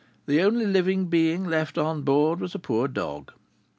The only living being left on board was a poor dog.